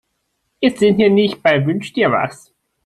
Wir sind hier nicht bei Wünsch-dir-was.